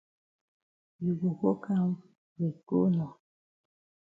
You go go kam we go nor.